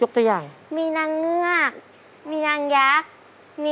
๓ถ้วยนะครับ